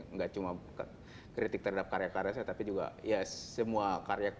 nggak cuma kritik terhadap karya karya saya tapi juga ya semua karya karya